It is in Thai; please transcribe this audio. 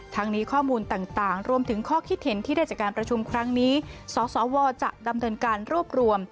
ทั้งนี้ข้อมูลต่างรวมถึงข้อคิดเห็นที่ได้จากการประชุมครั้งนี้สสวจะดำเนินการรวบรวม